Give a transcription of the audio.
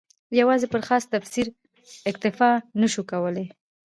یوازې پر خاص تفسیر اکتفا نه شو کولای.